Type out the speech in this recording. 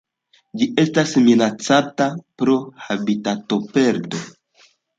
Ĝi estas minacata pro habitatoperdo.